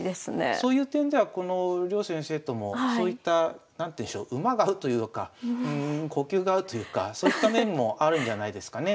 そういう点では両先生ともそういった何ていうんでしょう馬が合うというか呼吸が合うというかそういった面もあるんじゃないですかね。